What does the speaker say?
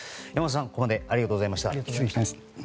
山本さん、ここまでありがとうございました。